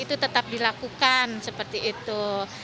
itu tetap dilakukan seperti itu